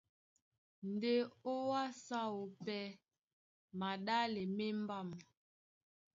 Ndé ó wásē áō pɛ́ maɗále má embám.